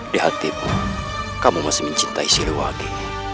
di hatimu kamu masih mencintai sirawati